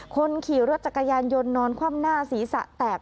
คนขี่รถจักรยานยนต์นอนคว่ำหน้าศีรษะแตก